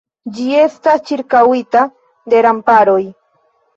Ĝi estas ĉirkaŭita de remparoj.